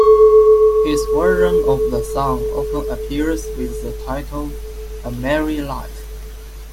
His version of the song often appears with the title "A Merry Life".